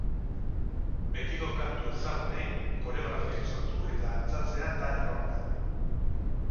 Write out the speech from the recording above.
Betiko kantu ezagunei koreografiak sortu eta dantzatzea da erronka.